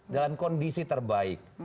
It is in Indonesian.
dalam kondisi terbaik